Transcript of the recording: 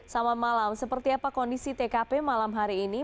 selamat malam seperti apa kondisi tkp malam hari ini